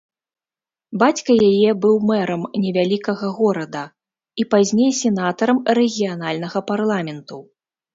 Бацька яе быў мэрам невялікага горада і пазней сенатарам рэгіянальнага парламенту.